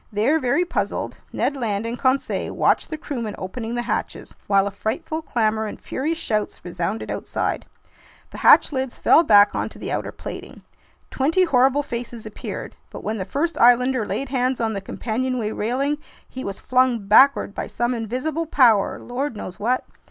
There, very puzzled, Ned Land and Conseil watched the crewmen opening the hatches, while a frightful clamor and furious shouts resounded outside. The hatch lids fell back onto the outer plating. Twenty horrible faces appeared. But when the first islander laid hands on the companionway railing, he was flung backward by some invisible power, lord knows what!